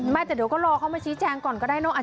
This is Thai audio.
ไม่แต่เดี๋ยวก็รอเขามาชี้แจงก่อนก็ได้เนอะ